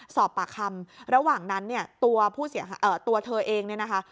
สอบปากคำระหว่างนั้นเนี่ยตัวผู้เสียหายตัวเธอเองเนี่ยนะคะ